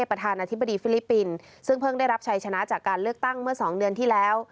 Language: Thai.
ประธานาธิบดีฟิลิปปินส์ซึ่งเพิ่งได้รับชัยชนะจากการเลือกตั้งเมื่อ๒เดือนที่แล้ว